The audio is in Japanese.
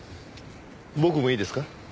僕もいいですか？